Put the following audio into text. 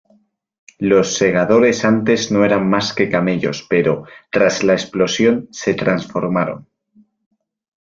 Los Segadores antes no eran más que camellos pero, tras la explosión, se transformaron.